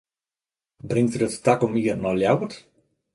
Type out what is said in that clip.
Bringt er it takom jier nei Ljouwert?